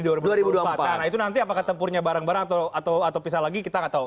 nah itu nanti apakah tempurnya bareng bareng atau pisah lagi kita nggak tahu